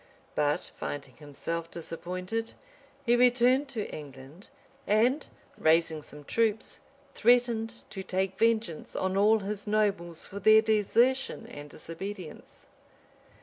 [] But finding himself disappointed, he returned to England; and raising some troops, threatened to take vengeance on all his nobles for their desertion and disobedience.